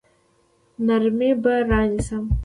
نرمي به رانیسم.